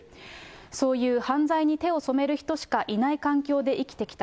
そういう犯罪に手を染める人しかいない環境で生きてきた。